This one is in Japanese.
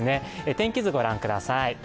天気図、ご覧ください。